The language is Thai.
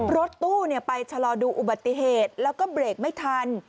รถตู้ไปชะลอดูอุบัติเหตุแล้วก็เบรกไม่ทัน